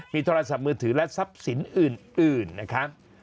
มีโทรศัพท์มือถือและทรัพย์สินอื่นนะครับ